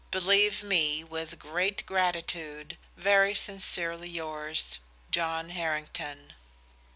"Believe me, with great gratitude, "Very sincerely yours, "JOHN HARRINGTON."